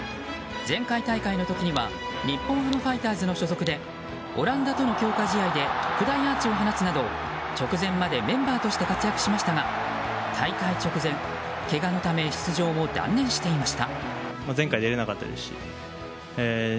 前回大会の時には日本ハムファイターズの所属でオランダとの強化試合で特大アーチを放つなど直前までメンバーとして活躍しましたが大会直前、けがのため出場を断念していました。